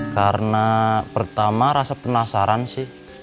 karena pertama rasa penasaran sih